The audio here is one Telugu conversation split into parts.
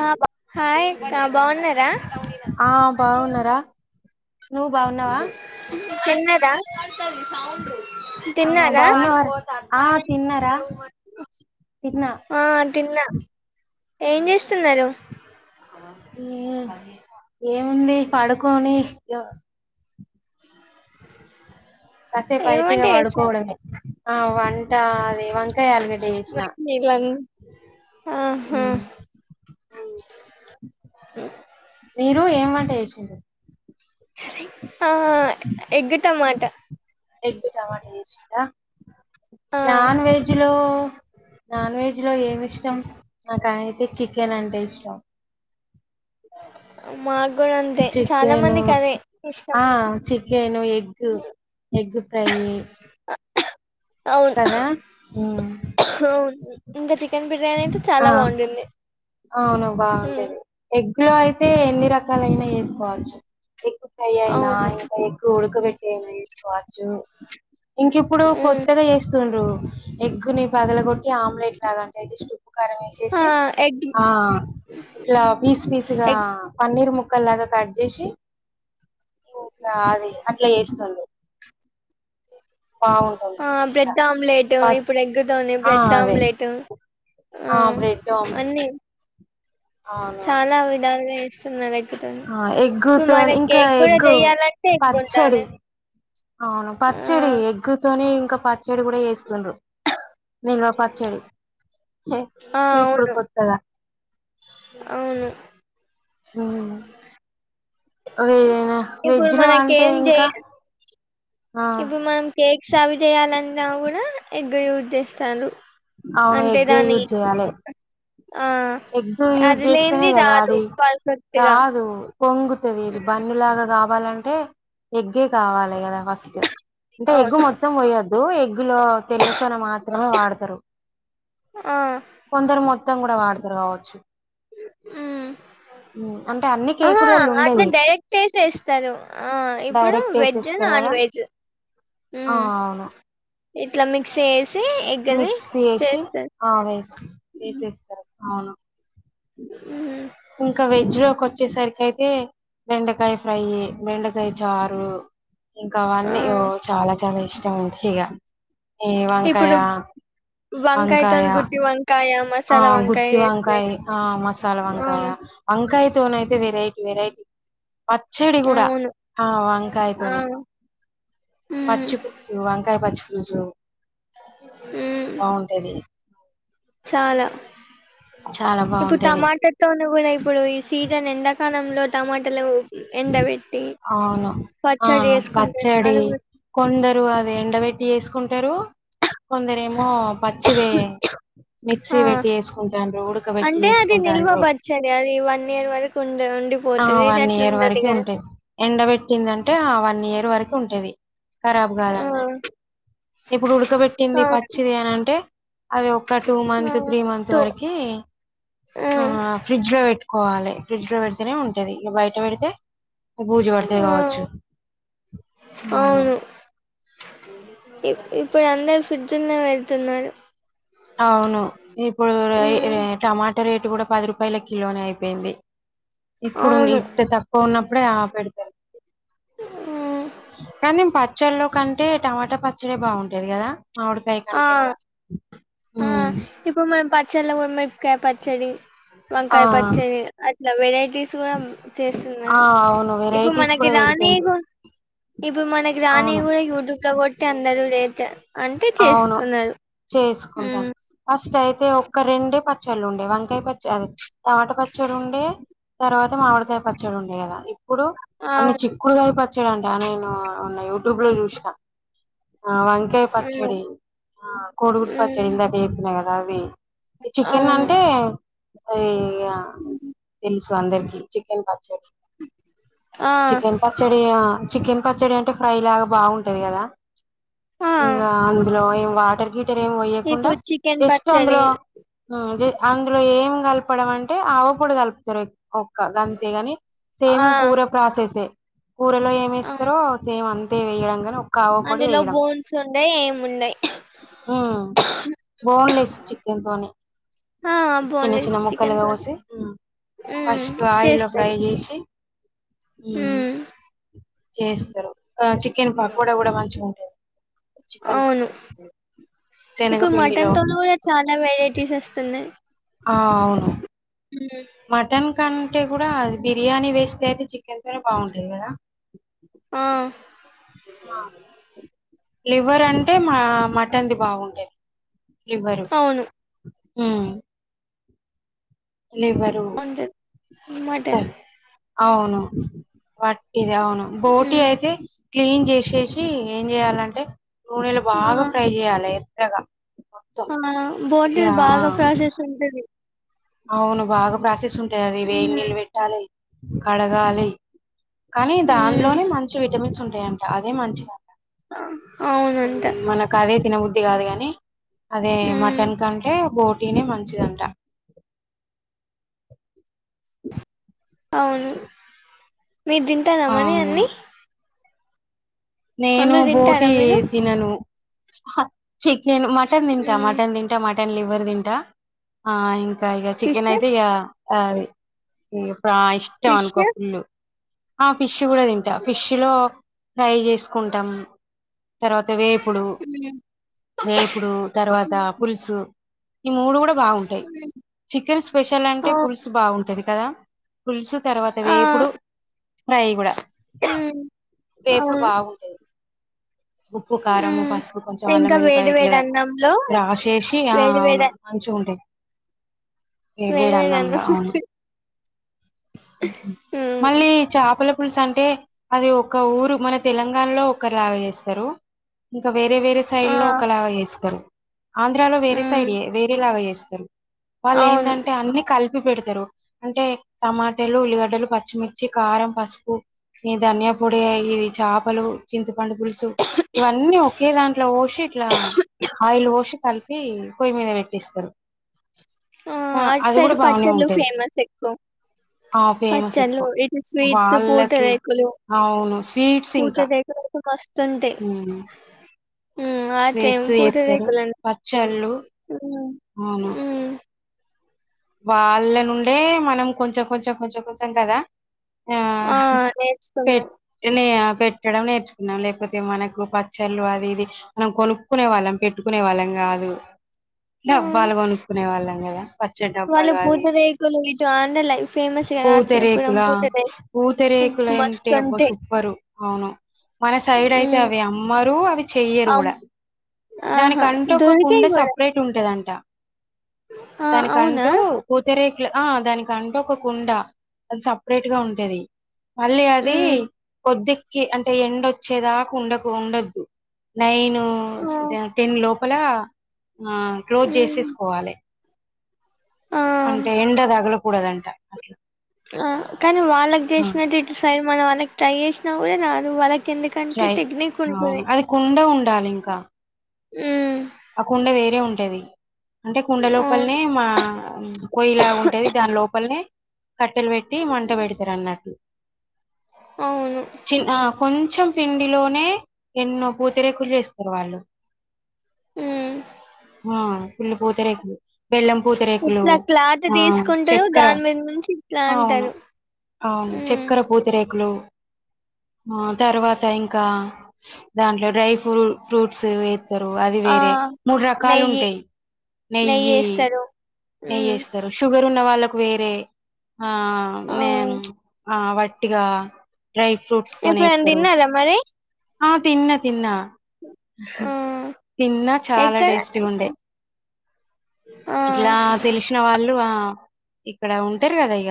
ఆ బా హాయ్ అక్క బాగున్నారా ఆ బాగున్నారా నువ్వు బాగున్నావా తిన్నాద ఆ తిన్నానా బాగున్నావారా ఆ తిన్న ఆ తిన్న ఏం చేస్తున్నారు ఏ ఏముంది పడుకొని [inaudible] కసే ఏం పైతిగా వంట చేశారు పడుకోడమే ఆ వ ట అదే వంకాయ ఆల్గడ్డ జేసినా ఆహా మీరు ఏం వంట చేసిన్రు సరే ఎగ్ టమాట చేసింరా ఆ నాన్ వెజ్ లో నాన్ వెజ్ లో ఏమి ఇష్టం నాకై తే చికెన్ అంటే ఇష్టం మాగ్ చికెను ఇష్టం ఆ చికెను ఎగ్ ఎగ్ ఫ్రయ్యి [inaudible] కదా ఉమ్ ఇంకా చికెన్ బిర్యానీ అయితే చాలా ఆ బాగుంటుంది అవును ఉమ్ బాగుంటేది ఎగ్ లో అయితే ఎన్ని రకాలయినా చేస్ కోవచ్చు ఎగ్ ఫ్రై అయినా అవును ఇంకా ఎగ్ ఉడకబెట్టి అయినా వేసుకోవచ్చు ఇంకిప్పుడు ఉమ్ కొత్తగా చేస్తుండ్రు ఎగ్గుని పెగలగొట్టి ఆమ్లెట్ లాగా అంటే జస్ట్ కారం ఆ వేసేసి ఎగ్ ఆ ఇట్లా పీస్ పీస్గా ఎగ్ పన్నీర్ ము క్కలాగా కట్ చేసి ఇంకా అది అట్లా వేస్తున్రు బాగుంటది ఆ బ్రెడ్ ఆమ్లెట్ ఇప్పుడు ఎగ్గుతోనే ఆ బ్రెడ్ అదే ఆమ్లెట్ ఆ బ్రెడ్ ఆమ్లెట్ అన్నీ చాలా విధాలుగా ఏస్తున్నారు ఎ ఆ ఎగ్గుతోనే ఇంకా కూడా ఎగ్గు చెయ్యాలంటే ఎగ్ పచ్చడి ఉండాలి అవును ఆ పచ్చడి ఎగ్తోనే ఇంకా పచ్చడి కూడా వేస్త రు నిలువ పచ్చడి ఆ ఇప్పుడు అవును కొత్తదా అవును ఉమ్ ఇప్పుడు లో అంటే మనకేం ఇంకా చెయ ఆ ఇప్పుడు మనం కేక్స్ అవి చేయాలన్నా కూడా ఎగ్గ యూజ్ చేస్తారు అవును అంటే ఎగ్గే దాని యూజ్ చేయాలి ఆ ఎగ్ యూజ్ అది చేస్తేనే లేనిది కదా రాదు అది పర్ఫెక్ట్ గా రాదు పొంగుతుంది బన్ను లాగా కావాలంటే ఎగ్గే కావాలి కదా ఫస్ట్ అంటే ఎగ్గు మొత్తం పోయద్దు ఎగ్గులో తెల్ల సొన మాత్రమే వాడతారు ఆ కొందరు మొత్తం కూడా వాడతారు కావచ్చు ఉమ్ ఉమ్, అంటే అన్ని ఆహా కేకులలో అట్లా ఉండేది డైరెక్ట్సేస్తారు ఆ ఇప్పుడు డైరెక్ట్ వెజ్ వేసేస్తారు నాన్ కదా వెజ్ ఆ అవును ఎట్లా మిక్స్ ఏస్ మిక్స్ చేసి ఆ వే వేసేస్తారు అవును హ్మ్ ఇంకా వెజ్ లోకి వచ్చేసరికి అయితే బెండకాయ ఫ్రై బెండకాయ చారు ఇంకా ఆ అవన్నీ చాలా చాలా ఇష్టం ఇక ఈ వంకాయ ఇప్పుడు వంకాయ వంకాయతోని గుత్తి వంకాయ ఆ మసాలా వంకాయ గుత్తి చేస్తే వంకాయ ఆ మసాలా వంకా ఆ వంకాయ వంకాయతోనైతే వెరైటీ వెరైటీ పచ్చడి కూడా అవును ఆ ఆ వంకాయతోని ఉమ్ పచ్చి పులుసు వంకాయ పచ్చి పులుసు ఉ బాగుంటది చాలా చాలా ఇప్పుడు బాగుంటది టమాట తోను కూడా ఇప్పుడు ఈ సీజన్ ఎండాకాలంలో టమాటలు ఆ అవును ఆ పచ్చడి చేసుకుంటే పచ్చడి అది కూడా కొందరు అది ఎండ పెట్టి చేసుకుంటారు కొందరు ఏమో పచ్చివే ఆ మిక్సీ పెట్టి చేసుకుంటాండ్రు ఉడకబేట్టి అంటే అది నిల్వ చేసుకుంటాండ్రు పచ్చడి అది వన్ ఇయర్ వరకు ఉండ ఆ ఉండిపోతది ఇది వన్ అట్లా ఇయర్ ఉండదు వరకు కదా ఉంటాయి ఎండబట్టిందంటే వన్ ఇయర్ వరకు ఉంటది కరాబ్ ఆ కాదన్నట్టు ఇప్పుడు ఉడకబెట్టింది అవును పచ్చిది అని అంటే అది ఒక టూ ఆ మంత్స్ త్రీ మంత్స్ తో వరకి ఆ ఫ్రిడ్జ్ లో పెట్టు కోవాలి ఫ్రిడ్జ్ లో పెడితేనే ఉంటది ఇక బయట పెడితే బూజు పడతాయి ఆ కావచ్చు అవును ఇప్పుడు అందరు ఫ్రిజ్జుల్లో పెడుతున్నారు అవును ఇప్పుడు ఉమ్ టమాటా రేటు కూడా పది రూపాయల కిలోనే అయిపోయింది ఇప్పుడు అవును ఇట్ట తక్కువ ఉన్నప్పుడే ఆ పెడతారు మ్మ్. కానీ పచ్చళ్ళులో కంటే టమాటా పచ్చడే బాగుంటాది కదా మామిడికాయ ఆ కంటే కూడా ఆ ఇప్పుడు మనం పచ్చడిలో కూడా మిరపకాయ పచ్చడి ఆ! వంకాయ పచ్చడి ఇట్లా వెరైటీస్ కూడా ఆ! చేస్తున్నారు అవును. ఇప్పుడు వెరైటీస్ మనకి కూడా రానియి పెడుతుండ్రు. కూడా ఇప్పుడు మనకి రానివి అవును. కూడా యూట్యూబ్ లో కొట్టి అందరూ లేద అంటే చేస్తున్నారు మ్మ్. వేసుకుంటాను ఫస్ట్ అయితే ఒక్క రెండే పచ్చళ్ళు ఉండే వంకాయ పచ్చ అదే టమాట పచ్చడి ఉండే తర్వాత మామిడికాయ పచ్చడి ఉండే కదా ఇప్పుడు అన్ని అవును చిక్కుడుగాయ పచ్చడి అంట నేనూ యూట్యూబ్ లో చూసినా ఆ వంక మ్మ్. పచ్చడి కోడిగుడ్డు పచ్చడి మ్మ్. ఇందాక చెప్పిన కదా అది చికెన్ అవును అంటే అది ఇగ తెలుసు అందరికి చికెన్ పచ్చడి ఆ చికెన్ పచ్చడియా చికెన్ పచ్చడి అంటే ఫ్రై లాగా బాగుంటది కదా ఆ ఇంకా అందులో ఏం వాటర్ గీ టార్ ఏం పోయకుండా ఇప్పుడు చికెన్ జస్ట్ పచ్చడి అందులో అందులో ఏం కలపడం అంటే ఆవపొడి కలుపుతారు ఎక్కు ఒక్క గంతేగాని ఆ సేమ్ కూర ప్రాసెసే కూరలో ఏం ఆ, వేస్తారో సేమ్ అంతే వేయడం గాని అందులో బోన్స్ ఉండయి ఏముండయి ఉమ్ బోన్లెస్ చికెన్ తోని చిన్న చిన్న ముక్కలుగా కోసి ఫస్ట్ ఆయిల్లో ఫ్రై చేస్తారు చేసి ఉ మ్మ్. చేస్తారు ఆ చికెన్ పకోడా కూడా మంచిగా ఉ అవును ఇప్పుడు శనగపిండిలో మటన్ తోన కూడా చాలా వెరైటీస్ వస్తున్నాయి ఆ అవును హ్మ్. మటన్ కంటే కూడా అది బిర్యానీ వేస్తే అయితే చికెనే బాగుంటది కదా ఆ లివర్ అంటే మా మటన్ దే బాగుంటది లివరు అవును హ లివ్వరూ ఉంటది మటన్ తెం అవును వట్టిది అవును. బోటీ మ్మ్ అయితే క్లీన్ చేశేశీ ఏం చేయాలంటే నూనెలో బాగా ఫ్రై చేయాలే ఎర్రగా. మొత్తం అవునా బోటి ఇట్లా బాగా ప్రాసెస్ ఉంటది. అవును బాగా ప్రాసెస్ ఉంటది అది. వేడి మ్మ్ నీళ్ళు పెట్టాలి కడగాలి. కానీ మ్మ్ దానిలోనే మంచి విటమిన్స్ ఉంటాయంటా అదే మంచిదం అవునంట మనకు అదే తినబుద్ద్ ది గాదు కానీ అదే మ్మ్ మటన్ కంటే బోటీనే మంచిదంటా. అవును, మీరు తింటారా మరి అన్నీ. నేనూ బోటీ తింటారా మీరు తినను. హ చిక్ నేను మటన్ తింటా, మ్మ్ మటన్ తింటా, మటన్ లివర్ తింటా. ఆ ఇం ఇంకా ఇగా ఫిష్ చికెన్ అయితే ఇగా ఆది ఇగ ప్రా ఇష్టం ఫిష్ అనుకో ఫుల్లూ. ఆ ఫిష్షు గూడా తింటా, ఫిష్ష్ లో ఫ్రై చేసుకుంటం. తర్వాత్ త వేపుడూ మ్మ్ వేపుడూ తర్వాతా పుల్సూ ఈ మూడు గూడా బాగుంటాయి. చికెన్ స్పెషల్ అంటే ఆ పుల్సు బాగుంటది కదా. పుల్సు తర్వాత వేపుడు ఫ్రై గూడా హ్ము అవును ఉప్పూ, కారము, మ్మ్ పసుపు కొంచెం ఇంకా వేడి అల్లమెల్లపాయ ఇట్లా వేడి అన్నంలో రాశేశి ఆ వేడి అవును వేడి మంచిగ ఉంటది. వేడి వేడి అన్నం అవును పిచ్చి మళ్ళీ చాపల పుల్సు అంటే అది ఒక ఊరు మన తెలంగాణలో ఒక లాగా చేస్తరు. ఇక వేరే వేరే సైడ్ లో ఆ ఒకలాగా చేస్తరు. ఆంధ్రాలో వేరే మ్మ్ సైడ్ వేరే లాగా చేస్తరు. వాళ్ళు అవును ఏందంటే అన్నీ కల్ప్ పి పెడతరు. అంటే టమాటలు, ఉల్లిగడ్డలు, పచ్చిమిర్చి, కారం, పసుపు. ఈ ధనియా పొడీ ఇది చాపలూ చింతపండు పుల్స్ సు ఇవన్నీ ఒకే దాంట్లో పోశి ఇట్లా ఆయిల్ పోశి కల్పీ పొయ్యి మీద పెట్టిస్తరు. ఆ అటు అది గూడ సైడ్ బాగనే పచ్చళ్ళు ఉంటది. ఫేమస్ ఎక్కువ ఆ ఫేమస్ పచ్చళ్ళు ఎక్కువ. ఇటు స్వీట్స్ వాళ్ళకీ పూటరేకులు అవును స్వీట్స్ ఇంకా పూటరేకులు అయితే ఊ ఊ ఆతేం పూత రేకుల్ అన్ పచ్చళ్ళు ఊ అవును వాళ్ళ నుండే మనం కొంచెం కొంచెం కొంచెం కొంచెం కదా. ఆ అహ పెట్ట్ టినయాప్ పెట్టడం నేర్చుకున్నాం. లేకపోతే మనకు పచ్చళ్ళు అది ఇది మనం కొనుక్కునే వాళ్ళం పెట్టుకునే వాళ్ళంగా గాదు. ఉమ్, డబ్బాలు కొనుక్కునే వాళ్ళం గదా. చ్చడి వాళ్ళు డబ్బాలు అదీ. పూతరేకులు ఇటు ఆంధ్రల ఫేమస్ కదా అట్లే కూడా పూతరేకులా, ప్చ్ పూతరేకులు పూతరేకు కులంటే అబ్బ మస్తుంటాయి సూప్పరు అవును. మన సైడ్ అయితే మ్మ్ అవి అమ్మరూ అవి చెయ్యరు అవ్ గూడా. ఆహా దానికంటూ ఒక కుండ దొరికాయి కూడా సప్రేట్ ఉంటదంటా. ఆ అవునా దానికంటూ పూతరేక్ కుల ఆ దానికి అంటు ఒక కుండా అద్ సప్రేట్ గా ఉంటది. మళ్ళీ అదీ మ్మ్ కొద్దిగ్ కీ అంటే ఎండొచ్చేదాక ఉండకు ఉండొద్దు నైనూ ఆ టెన్ లోప్ పలా ఆ క్లోజ్ మ్మ్ చేసేసుకోవాలే. ఆ అంటే ఎండ దగలకూడదంట అట్ల. ఆ కానీ వాళ్ళక్ చేసినట్టు ఇటు సైడ్ మనం వాళ్ళకి ట్రై చేశినా కూడా రాదు. వాళ్ళక్ కెందుకంటే ట్రై టెక్నిక్ ఉంటది. అవును అది కుండ ఉండాలి ఇంకా ఊ [unintelligible] వేరే ఉంటది అంటే కుండ అవును లోపలనే మా పయ్యిలా ఉంటేది దాని లోపలనే కట్టెలు పెట్టి మంట పెడతారు అన్నట్లు అవును చి కొ కొంచెం పిండిలోనే ఎన్నో పూతిరేకులు చేసుకోవాలో ఉమ్ ఆ ఫుల్ పూతరేకులు బెల్లం పూతరేకులు ఇట్లా క్లాత్ ఆ తీసుకుంటారు చక్కెర దాని మీద నుంచి ఇట్లా అవును అంటారు అవును ఉమ్ చక్కెర పూతరేకులు తర్వాత ఇంకా దాంట్లో డ్రై ఫ్రూ ఫ్రూట్స్ ఎత్తారు అది ఆ వేరే మూడు రకాలు నెయ్యి ఉంటాయి నెయ్యి నెయ్యి ఉమ్ ఏస్తారు షుగర్ ఉన్న వాళ్ళకు వేరే ఆ ఆ నేను ఆ వట్టిగా డ్రై ఫ్రూట్స్ తో ఎప్పుడైనా నేస్తరు తిన్నారా మరి ఆ తిన్నా తిన్నా ఆ తిన్నా చాలా ఎక్కడ టేస్టీగా ఉండే ఆ ఇట్లా తెలిసిన వాళ్ళు ఆ ఇక్కడ ఉంటారు కదా ఇక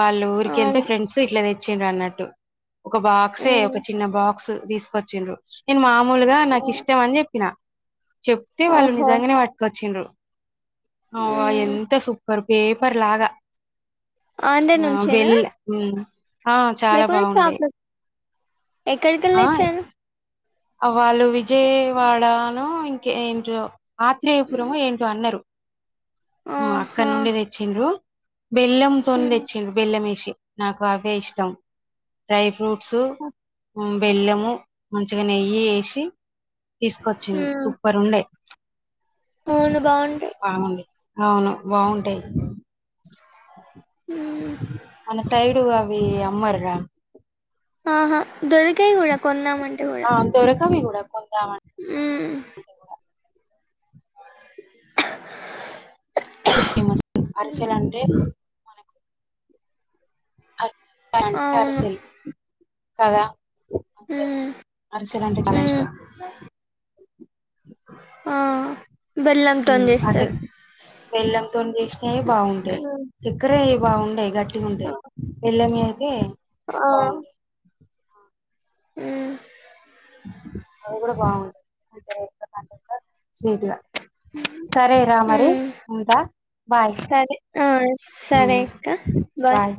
వాళ్ళు ఊరికి వెళ్తే అవును ఫ్రెండ్స్ ఇట్లా తెచ్చిండారు అన్నట్టు ఒక బాక్సే ఉమ్ ఒక చిన్న బాక్స్ తీసుకొచ్చిండ్రు నేను మామూలుగా నాకు ఓ- ఇష్టం అని చెప్పిన చెప్తే వాళ్ళు ఓహో నిజంగానే పట్టుకొచ్చిండ్రు అ ఉమ్ ఎంత సూపర్ పేపర్ లాగా ఆంధ్ర ఆ నుంచేనా వెళ ఆ చాల బాగుండయి ఎక్కడికి వెళ్ళి వచ్చారు వాళ్ళు విజయవాడనో ఇంక ఏంటో ఆత్రేయపురం ఏంటో అన్నారు అక్కడ ఆహా నుండడి తెచ్చిండ్రు బెల్లం తోనే ఉమ్ తెచ్చిండ్రు బెల్లం వేసి నాకు అవే ఇష్టం డ్రై ఫ్రూట్స్ బెల్లము మంచిగా నెయ్యి వేసి తీసుకొచ్చింది ఉమ్ సూపర్ ఉండే అవును బాగుంటాయి బాగుంది అవును బాగుంటాయి ఉమ్ మన సైడుగా అ అమ్మర్ రా ఆహా దరకాయి కూడా కొన్నా మ ఆ దొరకవి కూడ ఉ [unintelligible] ఫేమస్ అరిసలు అంటే మనకు అవును [unintelligible] కద ఉమ్ అరిసలు అంటే చాలా ఉమ్ ఇష్టం ఆ బెల్లంతోని అటు చేస్తారు బెల్లంతోని చేసినవి బాగుంటాయి ఉమ్ చక్కెర బాగుండేయి గట్టిగా ఉంటయి బెల్లం అయితే ఆ బాగుంటాయి ఉ అవి కూడా బాగుంటది [unintelligible] గా సరే రామరి ఉమ్ ఉంటా బాయ్ సరే ఆ సరే అక్క బాయ్